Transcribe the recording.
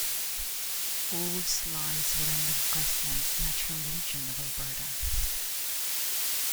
Olds lies within the Grasslands Natural Region of Alberta.